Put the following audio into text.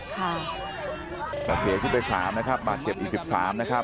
ค่ะแต่เสียขึ้นไปสามนะครับบาทเจ็บอีกสิบสามนะครับ